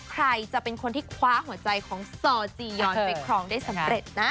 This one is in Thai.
ใครจะเป็นคนที่ที่จะคว้าหัวใจของสจีฮอย่อนไม่พร้อมได้สำเร็จ